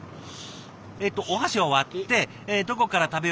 えっとお箸を割ってどこから食べようかな。